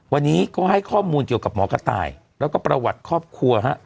วันนี้ก็ให้ข้อมูลเกี่ยวกับหมอกระต่ายแล้วก็ประวัติครอบครัวฮะ